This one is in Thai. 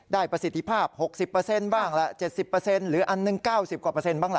ประสิทธิภาพ๖๐บ้างละ๗๐หรืออันหนึ่ง๙๐กว่าเปอร์เซ็นบ้างล่ะ